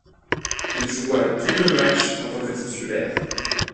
Il joua tout le match en tant que titulaire.